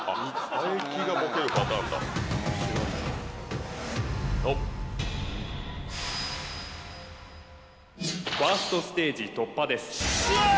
佐伯がボケるパターンだファーストステージ突破ですしゃあ！